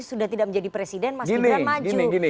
sudah tidak menjadi presiden mas gibran maju